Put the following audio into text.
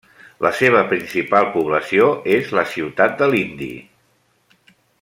La seva principal població és la ciutat de Lindi.